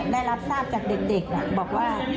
แล้วก็ได้รับทราบจากเด็กบอกว่า